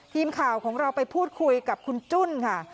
ทีมข่าวของเราไปพูดคุยกับคุณจุ้นค่ะ